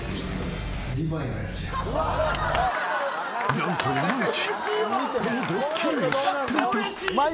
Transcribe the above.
何と、山内このドッキリを知っていた！